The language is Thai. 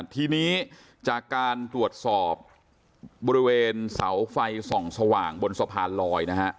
ทีนี้จากการตรวจสอบบริเวณเสาไฟส่องสว่างบนสะพานลอยนะฮะ